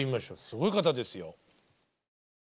すごい方ですよ。